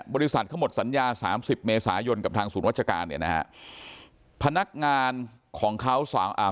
บริษัทเขาหมดสัญญาสามสิบเมษายนกับทางศูนย์วัชการเนี่ยนะฮะพนักงานของเขาอ่า